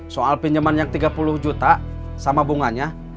soal pinjaman yang tiga puluh juta sama bunganya